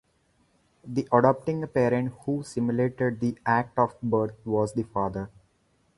The adopting parent who simulated the act of birth was the father.